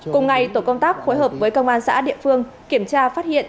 cùng ngày tổ công tác phối hợp với công an xã địa phương kiểm tra phát hiện